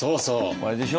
あれでしょ？